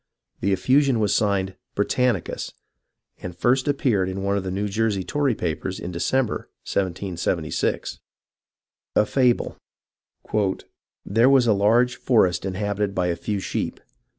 The effusion was signed " Britannicus," and first appeared in one of the New Jersey Tory papers in December, 1776. A FABLE "There was a large forest inhabited by a few sheep.